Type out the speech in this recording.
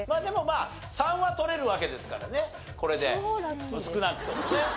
でもまあ３は取れるわけですからねこれで。少なくともね。